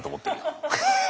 ハハハハ。